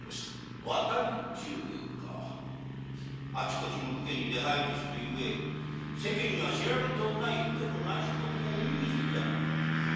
あちこちの武家に出入りする故世間に知られとうない武家のナイショ事も耳にするじゃろう。